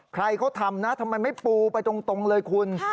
ใครเขาทำนะทำไมไม่ปูไปตรงเลยคุณ